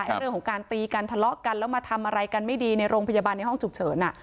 เรื่องของการตีกันทะเลาะกันแล้วมาทำอะไรกันไม่ดีในโรงพยาบาลในห้องฉุกเฉิน